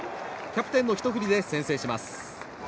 キャプテンのひと振りで先制します。